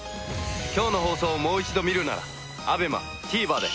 今日の放送をもう一度見るならＡＢＥＭＡＴＶｅｒで。